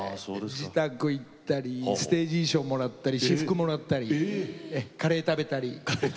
自宅行ったりステージ衣装もらったり私服もらったりカレー食べたり。